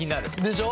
でしょ？